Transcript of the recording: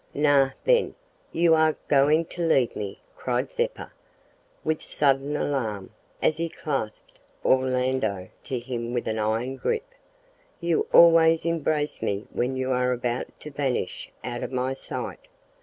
"Nay, then, you are going to leave me," cried Zeppa, with sudden alarm, as he clasped Orlando to him with an iron grip. "You always embrace me when you are about to vanish out of my sight.